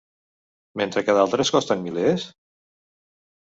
mentre que d'altres costen milers?